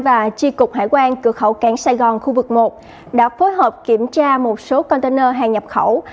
và tri cục hải quan cửa khẩu cảng sài gòn khu vực một đã phối hợp kiểm tra một số container hàng nhập khẩu